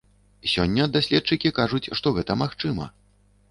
Сёння даследчыкі кажуць, што гэта магчыма.